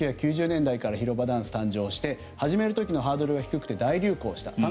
１９９０年代から広場ダンス、誕生して始める時のハードルが低くて大流行した。